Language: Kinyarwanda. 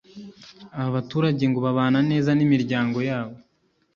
Aba baturage ngo babana neza n’imiryango yabo